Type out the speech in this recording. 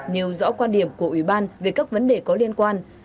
nêu rõ quan điểm của ủy ban về các vấn đề có liên quan